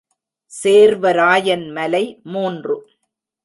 சேர்வராயன் மலை மூன்று.